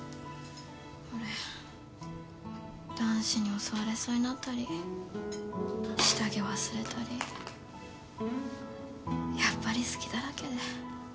俺男子に襲われそうになったり下着忘れたりやっぱり隙だらけで。